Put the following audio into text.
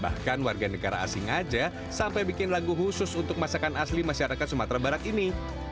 bahkan warga negara asing aja sampai bikin lagu khusus untuk masakan asli masyarakat sumatera barat ini